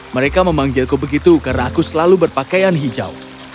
mereka memanggilku begitu karena aku ingin mencari jalan